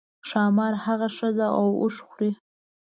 ښامار هغه ښځه او اوښ خوري.